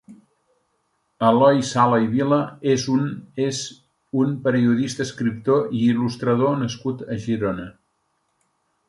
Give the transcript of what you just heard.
Eloi Sala i Vila és un és un periodista, escriptor i il·lustrador nascut a Girona.